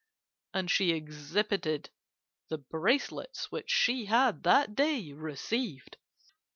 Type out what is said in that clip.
And she exhibited the bracelets which she had that day received.